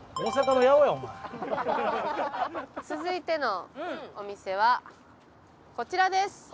続いてのお店はこちらです。